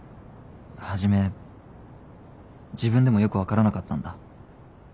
初め自分でもよく分からなかったんだ。